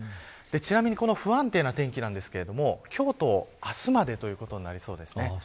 ちなみにこの不安定な天気ですが今日と明日までだということになりそうです。